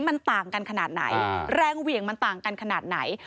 มันต่างกันขนาดไหนแรงเหวี่ยงมันต่างกันขนาดไหน